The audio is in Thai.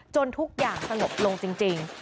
จนทุกอย่างจะหลบลงจริง